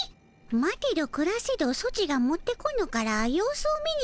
待てどくらせどソチが持ってこぬから様子を見に来たのじゃ。